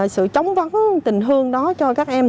sự chống vấn tình thương đó cho các em